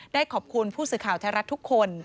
ได้ขอบคุณผู้สื่อข่าวไทยรัฐทุกคน